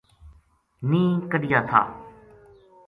نیہہ کَڈھیا تھا